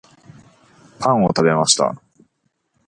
パンを食べました